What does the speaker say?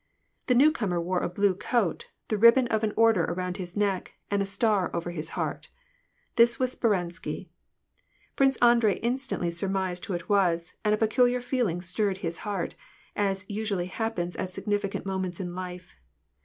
The new comer wore a blue coat, the ribbon of an order around his neck, and a star over his heart. This was Speransky. Prince Andrei instantly surmised who it was, and a peculiar feeling stirred his heart, as usually happens at significant moments in life.